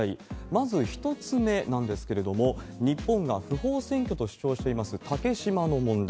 まず１つ目なんですけれども、日本が不法占拠と主張しています竹島の問題。